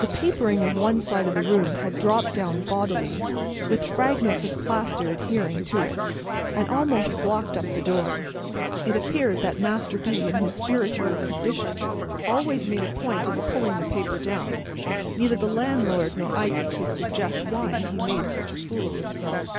The papering of one side of the room had dropped down bodily, with fragments of plaster adhering to it, and almost blocked up the door. It appeared that Master B., in his spiritual condition, always made a point of pulling the paper down. Neither the landlord nor Ikey could suggest why he made such a fool of himself.